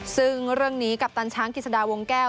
ซึ่งเรื่องนี้กัปตันช้างกิจสดาวงแก้ว